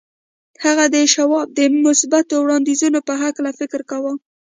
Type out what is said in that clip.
هغه د شواب د مثبتو وړانديزونو په هکله يې فکر کاوه.